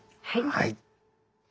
はい。